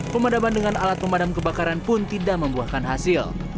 pemadaman dengan alat pemadam kebakaran pun tidak membuahkan hasil